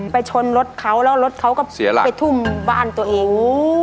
ไปชนรถเขารถเขาก็ไปทุ่มบ้านตัวเอง